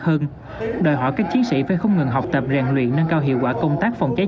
hơn đòi hỏi các chiến sĩ phải không ngừng học tập rèn luyện nâng cao hiệu quả công tác phòng cháy